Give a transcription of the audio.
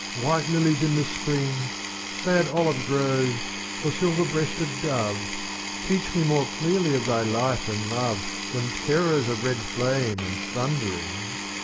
white lilies in the spring, Sad olive groves, or silver breasted dove, Teach me more clearly of Thy life and love Than terrors of red flame and thundering.